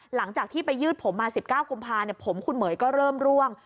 หลังจากที่ไปยืดผมมา๑๙กุมภาผมคุณเหม๋ยก็เริ่มร่วง